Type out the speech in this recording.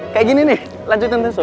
kayak gini nih lanjutin terus